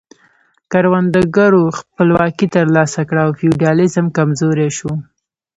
کروندګرو خپلواکي ترلاسه کړه او فیوډالیزم کمزوری شو.